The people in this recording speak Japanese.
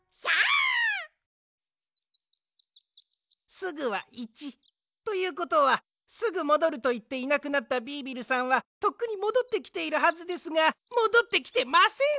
「すぐ」は１！ということは「すぐもどる」といっていなくなったビービルさんはとっくにもどってきているはずですがもどってきてません！